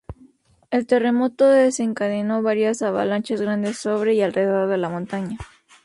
El terremoto desencadenó varias avalanchas grandes sobre y alrededor de la montaña.